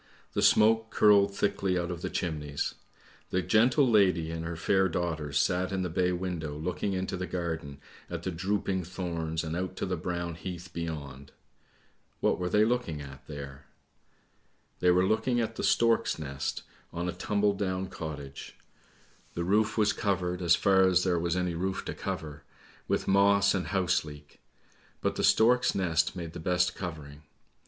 The smoke curled thickly out of the chimneys. The gentle lady and her fair daughters sat in the bay window looking into the garden at the drooping thorns and out to the brown heath beyond. What were they looking at there? They were looking at a stork's nest on a tumbledown cottage; the roof was 1 84 ANDERSEN'S FAIRY TALES covered, as far as there was any roof to cover, with moss and house leek; but the stork's nest made the best covering.